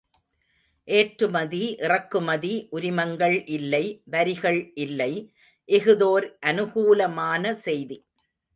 ஏற்றுமதி, இறக்குமதி உரிமங்கள் இல்லை வரிகள் இல்லை, இஃதோர் அனுகூலமான செய்தி.